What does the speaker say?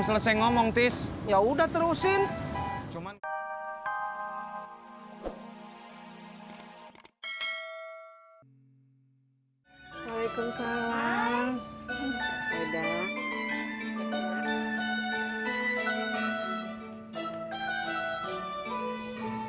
bisa ngomong tis ya udah terusin cuman hai waalaikumsalam sudah